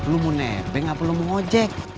lo mau nebeng apa lo mau ngojek